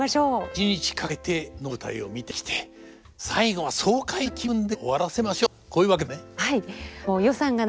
一日かけて能舞台を見てきて最後は爽快な気分で終わらせましょうとこういうわけですね。